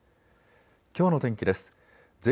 きょうの天気です。